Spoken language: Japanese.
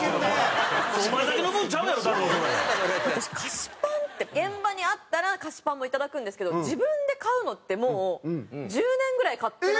私菓子パンって現場にあったら菓子パンも頂くんですけど自分で買うのってもう１０年ぐらい買ってないかも。